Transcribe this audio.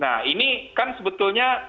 nah ini kan sebetulnya